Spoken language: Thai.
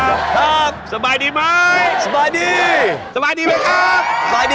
ไม่ใช่ยอมรับได้เปิดใจได้